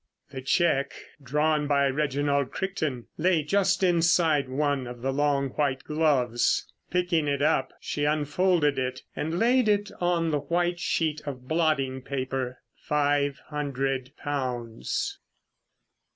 The cheque drawn by Reginald Crichton lay just inside one of the long white gloves. Picking it up she unfolded it and laid it on the white sheet of blotting paper. Five hundred pounds!